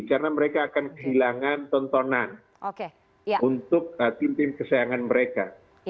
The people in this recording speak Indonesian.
karena mereka akan kehilangan tontonan untuk tim tim kesayangan mereka